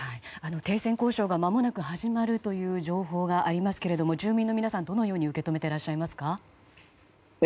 停戦交渉がまもなく始まるという情報がありますが住民の皆さんどのように受け止めてらっしゃいますか？